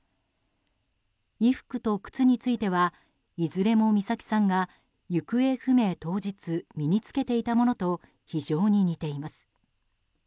衣服と靴についてはいずれも美咲さんが行方不明当日身に着けていたものと非常に似ています。